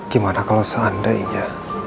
gimana kalau seandainya